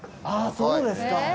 あっそうですか。